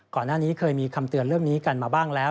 ก่อนหน้านี้เคยมีคำเตือนเรื่องนี้กันมาบ้างแล้ว